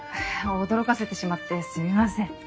驚かせてしまってすみません。